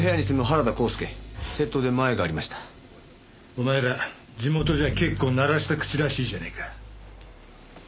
お前ら地元じゃ結構鳴らしたクチらしいじゃないか。